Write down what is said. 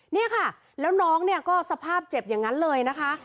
เนี่ยค่ะแล้วน้องเนี่ยก็สภาพเจ็บอย่างนั้นเลยนะคะ